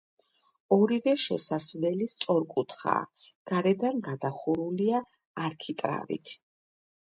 ორივე შესასვლელი სწორკუთხაა, გარედან გადახურულია არქიტრავით.